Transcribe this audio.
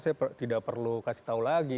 saya tidak perlu kasih tahu lagi